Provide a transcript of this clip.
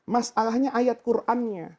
masalahnya ayat qurannya